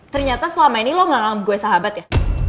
ternyata selama ini lo gak gue sahabat ya